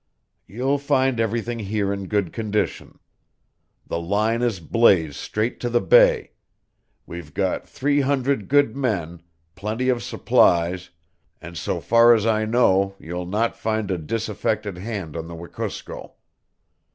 You'll find everything here in good condition. The line is blazed straight to the bay; we've got three hundred good men, plenty of supplies, and so far as I know you'll not find a disaffected hand on the Wekusko.